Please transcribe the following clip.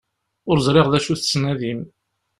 Ur ẓriɣ d acu tettnadim.